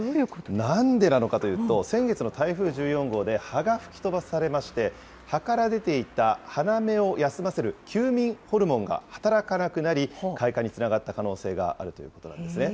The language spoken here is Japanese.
なんでなのかというと、先月の台風１４号で葉が吹き飛ばされまして、葉から出ていた花芽を休ませる休眠ホルモンが働かなくなり、開花につながった可能性があるということなんですね。